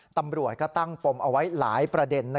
ตำรวจก็ตั้งปมเอาไว้หลายประเด็น